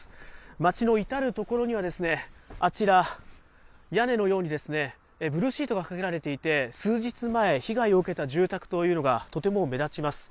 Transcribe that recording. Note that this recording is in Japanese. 街の至る所には、あちら、屋根のようにブルーシートがかけられていて、数日前、被害を受けた住宅というのが、とても目立ちます。